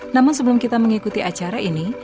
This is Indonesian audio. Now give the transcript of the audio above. namun sebelum kita mengikuti acara ini